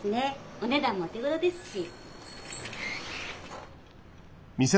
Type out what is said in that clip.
お値段もお手ごろですし。